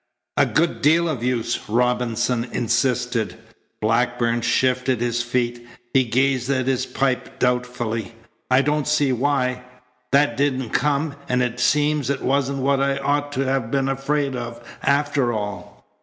"A good deal of use," Robinson insisted. Blackburn shifted his feet. He gazed at his pipe doubtfully. "I don't see why. That didn't come, and seems it wasn't what I ought to have been afraid of after all.